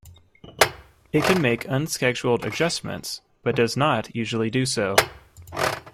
It can make unscheduled adjustments but does not usually do so.